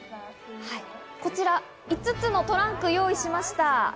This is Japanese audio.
こちら５つのトランクを用意しました。